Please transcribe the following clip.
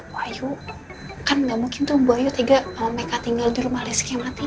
bu ayu kan gak mungkin tuh bu ayu tega sama meka tinggal di rumah listriknya mati